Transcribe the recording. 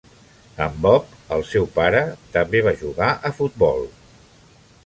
En Bob, el seu pare, també va jugar a futbol.